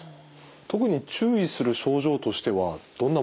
特に注意する症状としてはどんなものがありますか？